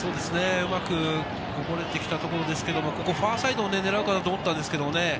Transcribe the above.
うまくこぼれてきたところですけれども、ファーサイドを狙うかなと思ったんですけどね。